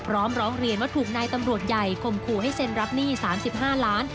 ร้องร้องเรียนว่าถูกนายตำรวจใหญ่คมขู่ให้เซ็นรับหนี้๓๕ล้าน